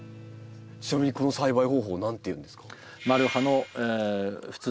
ちなみにこの栽培方法何ていうんですか？